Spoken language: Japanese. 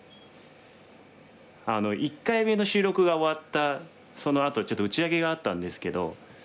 １回目の収録が終わったそのあとちょっと打ち上げがあったんですけど。